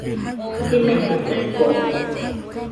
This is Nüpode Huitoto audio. Jimekɨ tuikode.